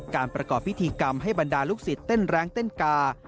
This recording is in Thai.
ประกอบพิธีกรรมให้บรรดาลูกศิษย์เต้นแรงเต้นกา